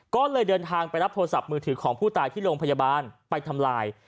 ก็เลยเดินทางไปรับโทรศัพท์มือถือของผู้ตายที่โรงพยาบาลไปทำลาย